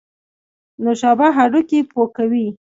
نوشابه هډوکي پوکوي